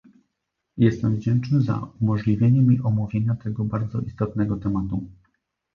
Jestem wdzięczny za umożliwienie mi omówienia tego bardzo istotnego tematu